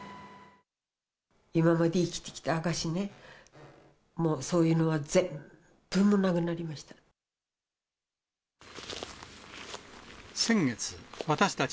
今まで生きてきた証しね、もうそういうのは全部なくなりました。